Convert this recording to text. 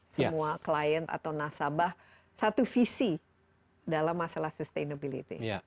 semua klien atau nasabah satu visi dalam masalah sustainability